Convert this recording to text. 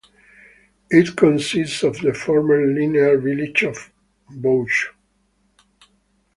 It consists of the former linear village of Buochs.